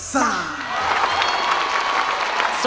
ซู่ซู่ซ่าซ่ายกกำลังซ่าออกมาซู่ซู่